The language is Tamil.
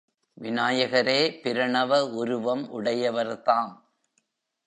விநாயகரே பிரணவ உருவம் உடையவர்தாம்.